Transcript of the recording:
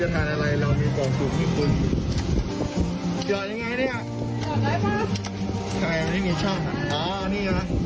กระเพราฟุกเอาไฟ